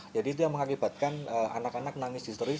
jadi itu yang mengakibatkan anak anak nangis histeris